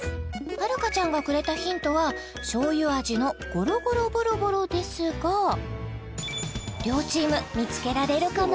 遥ちゃんがくれたヒントは醤油味のゴロゴロボロボロですが両チーム見つけられるかな？